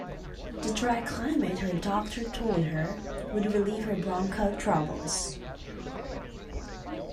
The dry climate, her doctor told her, would relieve her bronchial troubles.